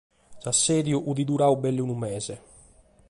S’assèdiu fiat duradu belle unu mese.